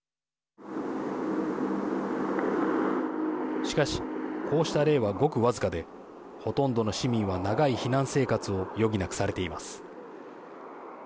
しかしこうした例はごく僅かでほとんどの市民は長い避難生活を余儀なくされています。